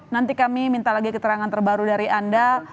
nanti kami minta lagi keterangan terbaru dari anda